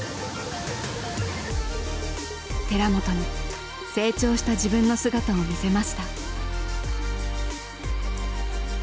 寺本に成長した自分の姿を見せました。